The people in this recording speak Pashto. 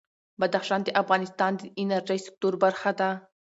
بدخشان د افغانستان د انرژۍ سکتور برخه ده.